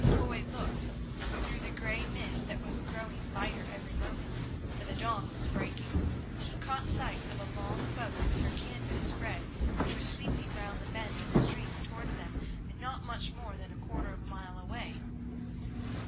Foy looked. Through the grey mist that was growing lighter every moment, for the dawn was breaking, he caught sight of a long boat with her canvas spread which was sweeping round the bend of the stream towards them and not much more than a quarter of a mile away.